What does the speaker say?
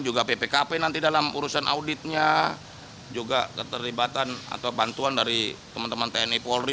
juga ppkp nanti dalam urusan auditnya juga keterlibatan atau bantuan dari teman teman tni polri